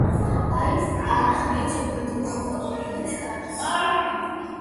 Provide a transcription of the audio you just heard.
აი, აქ რიცხვი გადმოხატულიც არის.